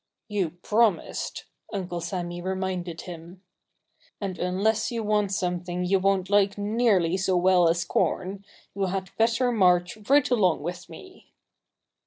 "You promised," Uncle Sammy reminded him. "And unless you want something you won't like nearly so well as corn, you had better march right along with me."